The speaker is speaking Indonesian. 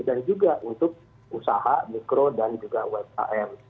dan juga untuk usaha mikro dan juga wkm